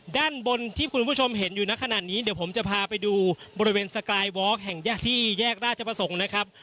ด้านบนที่คุณผู้ชมเห็นอยู่ในขณะนี้เดี๋ยวผมจะพาไปดูบริเวณสกายวอล์กแห่งแยกที่แยกราชประสงค์นะครับ